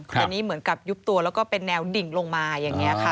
แต่นี่เหมือนกับยุบตัวแล้วก็เป็นแนวดิ่งลงมาอย่างนี้ค่ะ